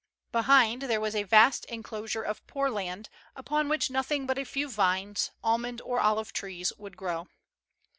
Behind, there was a vast enclosure of poor land, upon which nothing but a few vines, almond or olive trees, would grow.